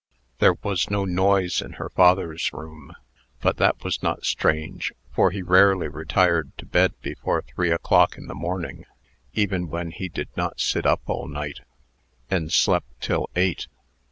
There was no noise in her father's room. But that was not strange, for he rarely retired to bed before three o'clock in the morning (even when he did not sit up all night), and slept till eight.